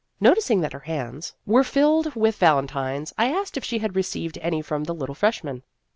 Noticing that her hands were filled with 86 Vassar Studies valentines, I asked if she had received any from the little freshman.